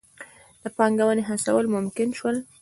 د پانګونې هڅول ممکن شول.